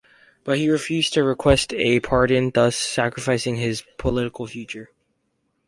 But he refused to request a pardon, thus sacrificing his political future.